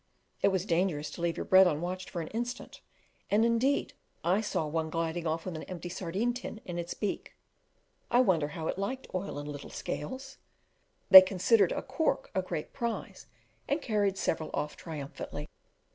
It was dangerous to leave your bread unwatched for an instant, and indeed I saw one gliding off with an empty sardine tin in its beak; I wonder how it liked oil and little scales. They considered a cork a great prize, and carried several off triumphantly.